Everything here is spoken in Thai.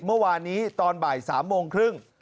เมื่อวานนี้ตอนบ่าย๓โมงครึ่ง